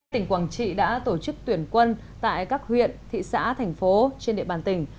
tỉnh quảng trị đã tổ chức tuyển quân tại các huyện thị xã thành phố trên địa bàn tỉnh